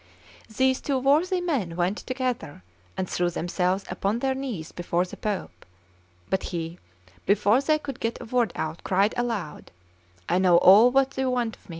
These two worthy men went together, and threw themselves upon their knees before the Pope; but he, before they could get a word out, cried aloud: "I know all that you want of me."